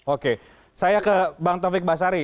oke saya ke bang taufik basari